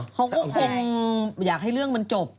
เขาก็คงอยากให้เรื่องมันจบ